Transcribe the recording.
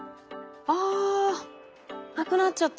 あ無くなっちゃった。